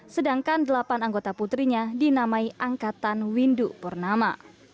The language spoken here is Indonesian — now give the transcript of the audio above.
sedangkan delapan anggota putrinya dinamai angkatan windu purnama